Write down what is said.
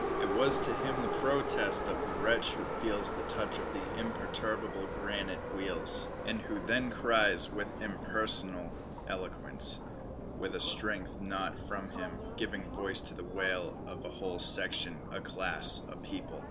It was to him the protest of the wretch who feels the touch of the imperturbable granite wheels, and who then cries with an impersonal eloquence, with a strength not from him, giving voice to the wail of a whole section, a class, a people.